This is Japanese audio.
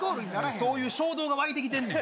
そういう衝動が湧いてきてんねん。